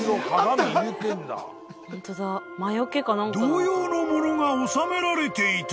［同様の物が納められていた］